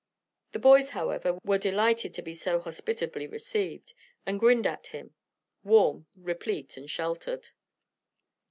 The boys, however, were delighted to be so hospitably received, and grinned at him, warm, replete, and sheltered.